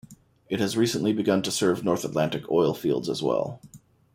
It has recently begun to serve North Atlantic oil fields as well.